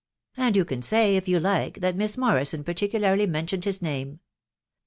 . and you can say, if you like it, that Miss Morri son particularly mentioned his name